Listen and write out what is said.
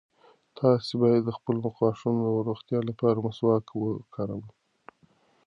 تاسي باید د خپلو غاښونو د روغتیا لپاره مسواک وکاروئ.